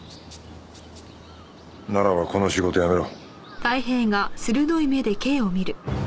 ならばこの仕事辞めろ。